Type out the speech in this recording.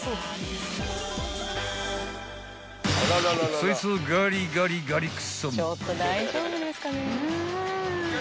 ［そいつをガリガリガリクソン］